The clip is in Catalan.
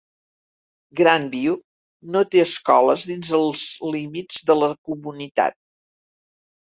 Grandview no té escoles dins els límits de la comunitat.